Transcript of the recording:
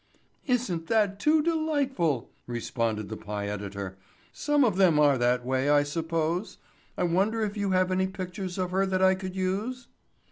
"Isn't that too delightful," responded the pie editor. "Some of them are that way I suppose. I wonder if you have any pictures of her that I could use?"